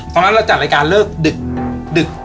ตอนนั้นเราจัดรายการเลิกดึก